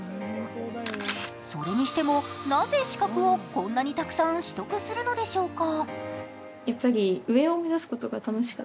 それにしてもなぜ、資格をこんなにたくさん取得するのでしょうか？